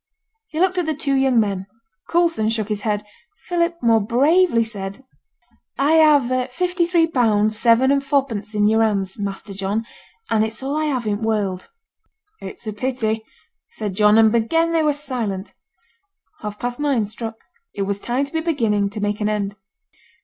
He looked at the two young men. Coulson shook his head. Philip more bravely said, 'I have fifty three pounds seven and fourpence in yo'r hands, Master John, and it's all I have i' the world.' 'It's a pity,' said John, and again they were silent. Half past nine struck. It was time to be beginning to make an end.